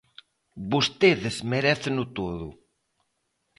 Vostedes meréceno todo.